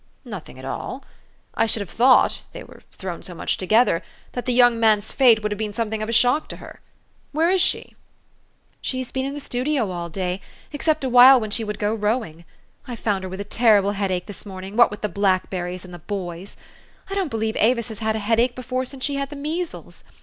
"Nothing at all? I should have thought they were thrown so much together that the young man's fate would have been something of a shock to her. Where is she ?''" She has been in the studio all day, except a 154 THE STORY OF AVIS. while when she would go rowing. I found her with a terrible headache this morning, what with the blackberries and the boys. I don't believe Avis has had a headache before since she had the measles.